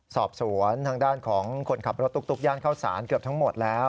สอบสวนทางด้านของคนขับรถตุ๊กย่านเข้าสารเกือบทั้งหมดแล้ว